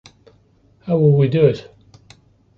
How will we do it?